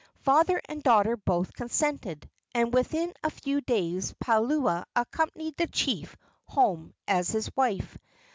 Father and daughter both consented, and within a few days Palua accompanied the chief home as his wife.